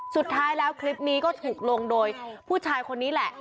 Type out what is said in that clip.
สุดท้ายแล้วคลิปนี้ก็ถูกลงโดยผู้ชายคนนี้แหละ